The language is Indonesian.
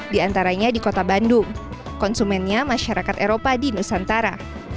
diantaranya di kota bandung konsumennya masyarakat eropa di nusantara